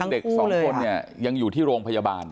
เด็กสองคนเนี่ยยังอยู่ที่โรงพยาบาล